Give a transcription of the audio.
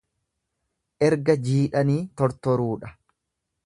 Erga jiidhanii tortoruudha.